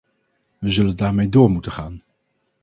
We zullen daarmee door moeten gaan.